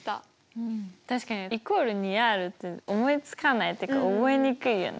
うん確かにイコール２Ｒって思いつかないってか覚えにくいよね。